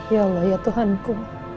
ya allah ya tuhanku